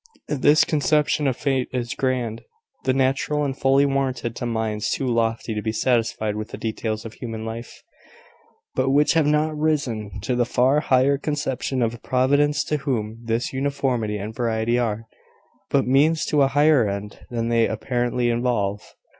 This conception of Fate is grand, is natural, and fully warranted to minds too lofty to be satisfied with the details of human life, but which have not risen to the far higher conception of a Providence, to whom this uniformity and variety are but means to a higher end, than they apparently involve.